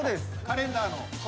カレンダーの。